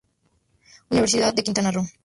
Universidad de Quintana Roo.